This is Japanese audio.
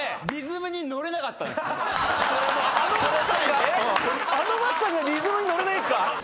ＭＡＴＳＵさんがリズムに乗れないんすか